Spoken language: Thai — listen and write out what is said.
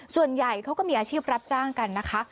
ส่วนใหญ่เขาก็มีอาชีพรับจ้างกันนะคะ